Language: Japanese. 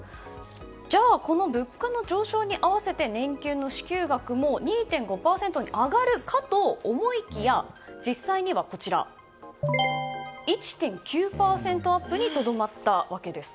じゃあこの物価の上昇に合わせて年金の支給額も２．５％上がるかと思いきや実際には、１．９％アップにとどまったわけです。